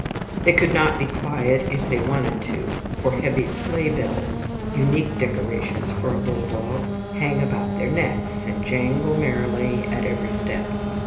They could not be quiet if they wanted to, for heavy sleigh bells (unique decorations for a bulldog) hang about their necks, and jangle merrily at every step.